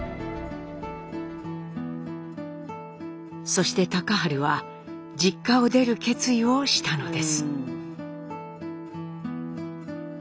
そして隆治は実家を出る決意をしたのです。